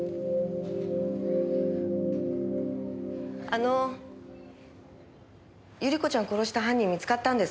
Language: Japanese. あの百合子ちゃん殺した犯人見つかったんですか？